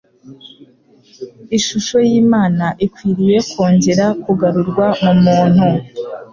Ishusho y'Imana ikwiriye kongera kugarurwa mu muntu.